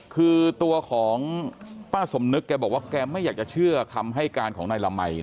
คือตัวของป้าสมนึกแกบอกว่าแกไม่อยากจะเชื่อคำให้การของนายละมัย